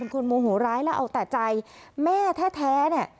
คนโมโหร้ายแล้วเอาแต่ใจแม่แท้เนี่ย